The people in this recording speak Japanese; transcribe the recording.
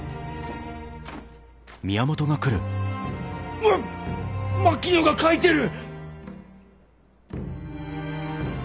うわっ槙野が描いてる！